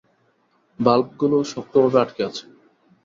ভালভগুলো শক্তভাবে আটকে গেছে।